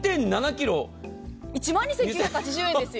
１万２９８０円ですよ。